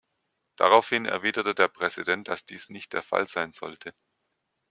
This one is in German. Daraufhin erwiderte der Präsident, dass dies nicht der Fall sein sollte.